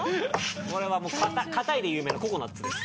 これは硬いで有名なココナッツです。